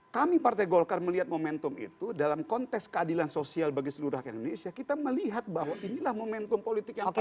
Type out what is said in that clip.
kami partai golkar melihat momentum itu dalam konteks keadilan sosial bagi seluruh rakyat indonesia kita melihat bahwa inilah momentum politik yang paling penting